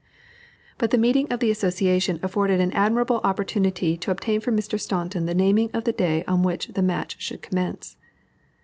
But the meeting of the association afforded an admirable opportunity to obtain from Mr. Staunton the naming of the day on which the match should commence.